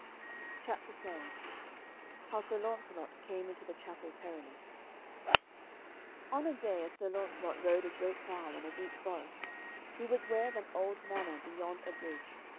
CHAPTER XII HOW SIR LAUNCELOT CAME INTO THE CHAPEL PERILOUS On a day as Sir Launcelot rode a great while in a deep forest, he was ware of an old manor beyond a bridge.